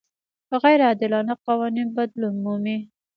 غیر عادلانه قوانین بدلون مومي.